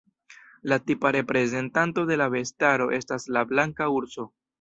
La tipa reprezentanto de la bestaro estas la blanka urso.